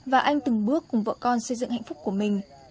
và anh từng bước cùng vợ con xây dựng hạnh phúc của mình